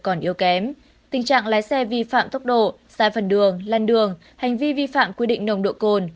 còn yếu kém tình trạng lái xe vi phạm tốc độ sai phần đường lan đường hành vi vi phạm quy định nồng độ cồn